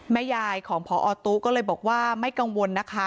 แม่ยายของพอตู้ก็เลยบอกว่าไม่กังวลนะคะ